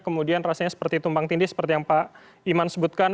kemudian rasanya seperti tumpang tindih seperti yang pak iman sebutkan